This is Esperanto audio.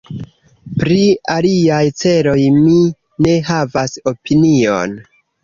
Pri aliaj celoj mi ne havas opinion.